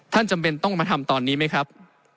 จำเป็นต้องมาทำตอนนี้ไหมครับ